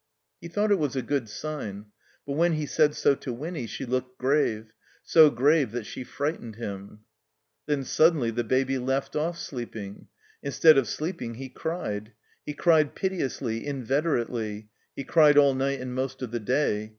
He thought it was a good sign. But when he said so to Winny she looked grave, so grave that she frightened bim. Then suddenly the Baby left ofiE sleeping. In stead of sleeping he cried. He cried piteously, in veterately; he cried all night and most of the day.